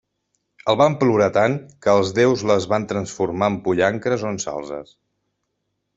El van plorar tant que els déus les van transformar en pollancres o en salzes.